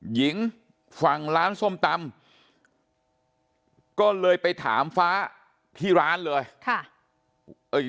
หญิงฝั่งร้านส้มตำก็เลยไปถามฟ้าที่ร้านเลยค่ะเอ้ย